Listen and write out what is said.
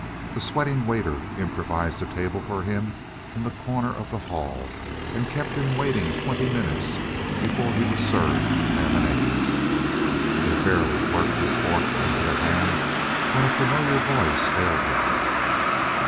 The sweating waiter improvised a table for him in the corner of the hall and kept him waiting twenty minutes before he was served with ham and eggs. He had barely worked his fork into the ham when a familiar voice hailed him.